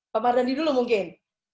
pak mardhani dulu mungkin